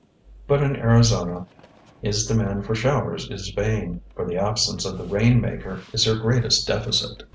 But in Arizona his demand for showers is vain, for the absence of the "rain maker" is her greatest deficit.